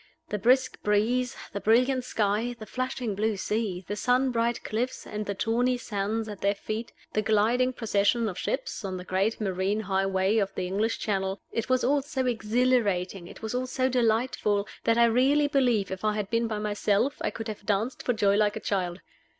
The brisk breeze, the brilliant sky, the flashing blue sea, the sun bright cliffs and the tawny sands at their feet, the gliding procession of ships on the great marine highway of the English Channel it was all so exhilarating, it was all so delightful, that I really believe if I had been by myself I could have danced for joy like a child.